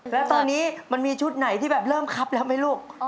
แล้วตอนนี้มันมีชุดไหนที่แบบเริ่มคับแล้วไหมลูก